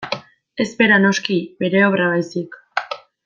Ez bera, noski, bere obra baizik.